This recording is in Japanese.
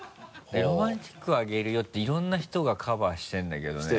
「ロマンティックあげるよ」っていろんな人がカバーしてるんだけどね。